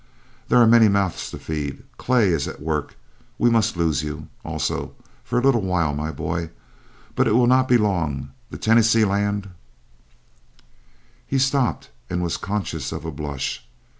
There are many mouths to feed; Clay is at work; we must lose you, also, for a little while, my boy. But it will not be long the Tennessee land " He stopped, and was conscious of a blush.